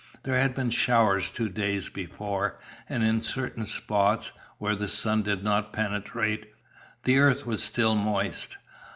There had been showers two days before, and in certain spots, where the sun did not penetrate, the earth was still moist.